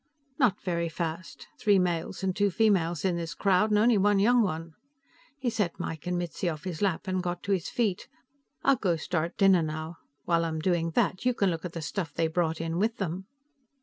"Not very fast. Three males and two females in this crowd, and only one young one." He set Mike and Mitzi off his lap and got to his feet. "I'll go start dinner now. While I'm doing that, you can look at the stuff they brought in with them."